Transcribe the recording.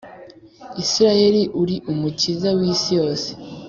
Isirayeli uri Umukiza wisi yose